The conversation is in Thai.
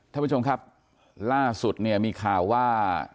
ท่านผู้ชมครับล่าสุดเนี่ยมีข่าวว่า